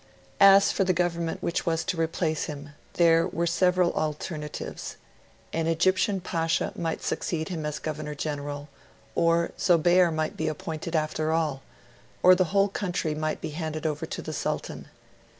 As for the government which was to replace him, there were several alternatives: an Egyptian Pasha might succeed him as Governor General, or Zobeir might be appointed after all, or the whole country might be handed over to the Sultan.